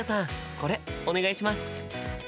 これお願いします！